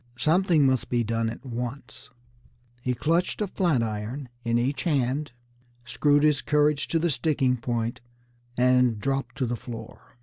Something must be done at once. He clutched a flat iron in each hand, screwed his courage to the sticking point, and dropped to the floor.